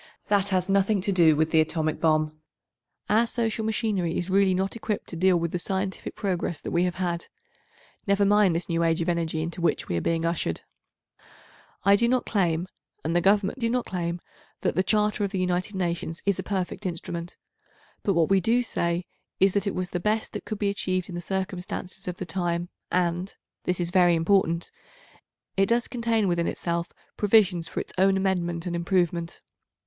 That has nothing to do with the atomic bomb. Our social machinery is really not equipped to deal with the scientific progress that we have had—never mind this new age of energy into which we are being ushered. I do not claim, and the Government do not claim, that the Charter of the United Nations is a perfect instrument, but what we do say is that it was the best that could be achieved in the circumstances of the time and—this is very important—it does contain within itself provisions for its own amendment and improvement.